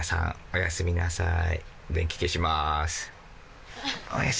おやすみなさい。